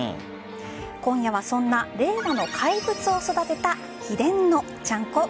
今夜はそんな令和の怪物を育てた秘伝のちゃんこ。